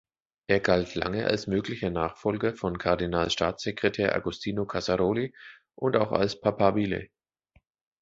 Er galt lange als möglicher Nachfolger von Kardinalstaatssekretär Agostino Casaroli und auch als "papabile".